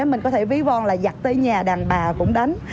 vì nếu mình có thể ví von là giặt tới nhà đàn bà cũng đánh